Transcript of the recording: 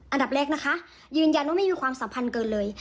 อันดับแรกนะคะยืนยันว่าไม่มีความสัมพันธ์เกินเลย